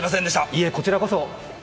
いえ、こちらこそ！